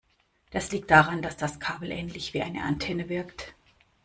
Das liegt daran, dass das Kabel ähnlich wie eine Antenne wirkt.